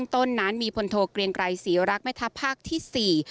ต้นนั้นมีพลโทเกลียงไกรศรีรักแม่ทัพภาคที่๔